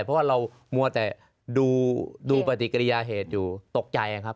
เพราะว่าเรามัวแต่ดูปฏิกิริยาเหตุอยู่ตกใจครับ